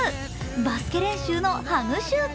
バスケ練習のハグシュート。